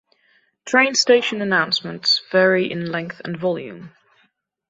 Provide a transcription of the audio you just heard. Train station announcements vary in length and volume.